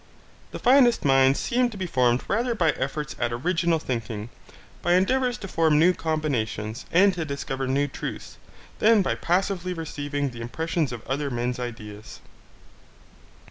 The finest minds seem to be formed rather by efforts at original thinking, by endeavours to form new combinations, and to discover new truths, than by passively receiving the impressions of other men's ideas.